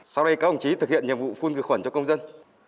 sau đây các ông chí thực hiện nhiệm vụ phun khử khuẩn cho công dân